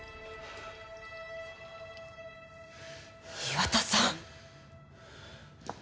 岩田さん！